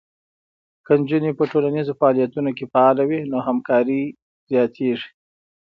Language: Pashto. که نجونې په ټولنیزو فعالیتونو کې فعاله وي، نو همکاری زیاته کېږي.